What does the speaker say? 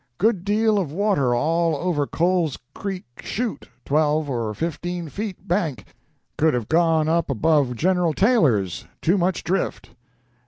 Good deal of water all over Cole's Creek Chute, 12 or 15 ft. bank could have gone up above General Taylor's too much drift